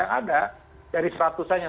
yang ada dari seratusan yang